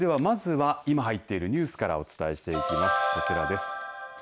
それではまずは今入っているニュースからお伝えしていきます。